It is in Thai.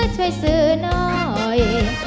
ช่วยซื้อหน่อย